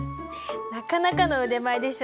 なかなかの腕前でしょ。